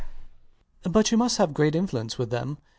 But you must have great influence with them.